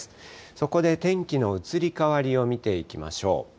そこで天気の移り変わりを見ていきましょう。